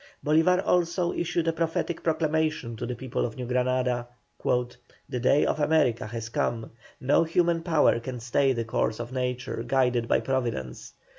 Bolívar also issued a prophetic proclamation to the people of New Granada: "The day of America has come. No human power can stay the course of Nature guided by Providence.